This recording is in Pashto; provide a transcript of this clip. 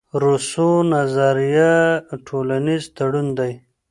روسو نظریه ټولنیز تړون دئ.